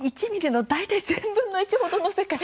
１ｍｍの大体１０００分の１ほどの世界。